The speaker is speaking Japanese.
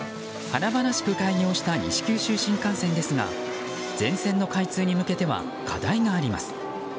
華々しく開業した西九州新幹線ですが全線の開通に向けては課題があります。